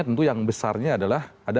tentu yang besarnya adalah ada